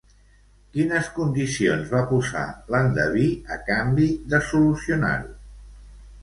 Quines condicions va posar l'endeví a canvi de solucionar-ho?